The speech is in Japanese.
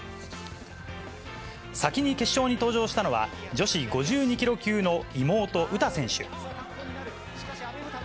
先に決勝に登場したのは、女子５２キロ級の妹、詩選手。